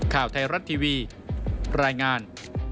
ข่าวไทยรัฐทีวีรายงาน